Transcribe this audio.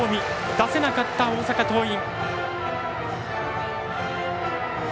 出せなかった大阪桐蔭。